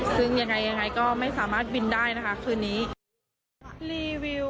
ซึ่งยังไงก็ไม่สามารถบินได้คืนนี้